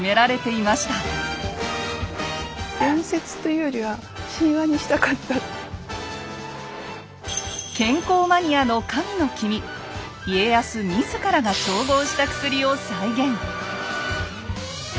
伝説というよりは健康マニアの神の君家康自らが調合した薬を再現。